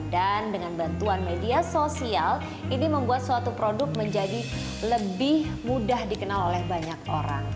dan dengan bantuan media sosial ini membuat suatu produk menjadi lebih mudah dikenal oleh banyak orang